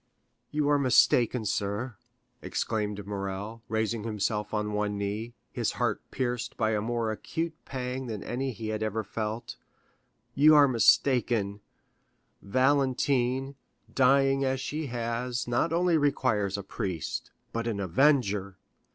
50093m "You are mistaken, sir," exclaimed Morrel, raising himself on one knee, his heart pierced by a more acute pang than any he had yet felt—"you are mistaken; Valentine, dying as she has, not only requires a priest, but an avenger.